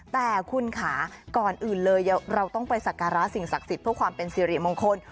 แต่คุณค่ะก่อนอื่นเลยเราต้องไปสักการะสิ่งศักดิ์สิทธิ์เพื่อความเป็นสิริมงคล